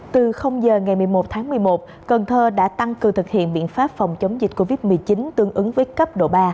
từ giờ ngày một mươi một tháng một mươi một cần thơ đã tăng cường thực hiện biện pháp phòng chống dịch covid một mươi chín tương ứng với cấp độ ba